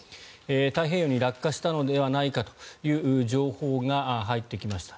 太平洋に落下したのではないかという情報が入ってきました。